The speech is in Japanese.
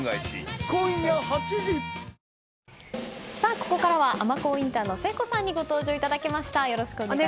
ここからは尼神インターの誠子さんにご登場いただきました。